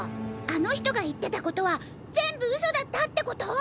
あの人が言ってたことは全部嘘だったってこと？